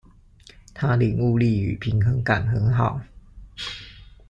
他領悟力與平衡感很好